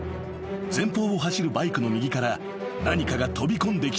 ［前方を走るバイクの右から何かが飛び込んできたのだ］